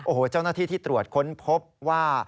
โอ้โหเจ้าหน้าที่ที่ตรวจค้นพบว่า